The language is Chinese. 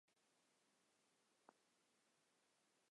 从村西进入村内的日军及华北治安军向逃跑的人群射击。